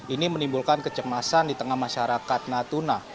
ini menimbulkan kecemasan di tengah masyarakat natuna